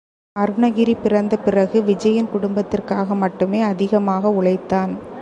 அருணகிரி பிறந்த பிறகு விஜயன் குடும்பத்திற்காக மட்டுமே அதிகமாக உழைத்தான்.